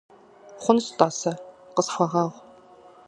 Хъунщ, тӀасэ, къысхуэгъэгъу.